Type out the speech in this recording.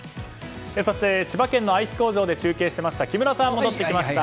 そして千葉県のアイス工場で中継していた木村さんが戻ってきました。